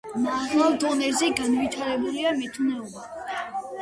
მაღალ დონეზე განვითარებულა მეთუნეობა.